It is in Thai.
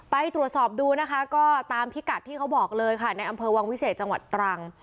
ไปตรวจสอบดูนะคะก็ตามพิกัดที่เขาบอกเลยค่ะในอำเภอวังวิเศษจังหวัดตรัง